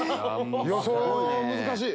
予想難しい。